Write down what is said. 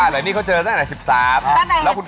ไม่ใช่พี่ป๊อปน่ะ